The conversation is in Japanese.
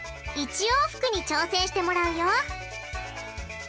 １往復に挑戦してもらうよ！